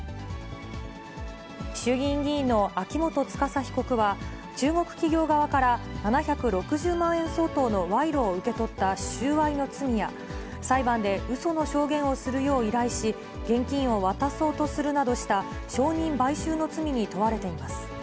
衆議院議員の秋元司被告は、中国企業側から７６０万円相当の賄賂を受け取った収賄の罪や、裁判でうその証言をするよう依頼し、現金を渡そうとするなどした、証人買収の罪に問われています。